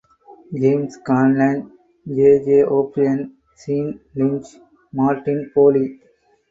James Conlon, J. J. O'Brien, Sean Lynch, Martin போலீ.